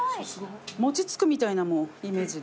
餅つくみたいなもうイメージで。